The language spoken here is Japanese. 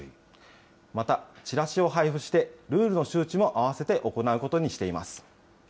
また、チラシを配布して、ルールの周知も併せて行うことにしています。